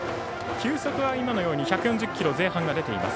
球速は１４０キロ前半が出ています。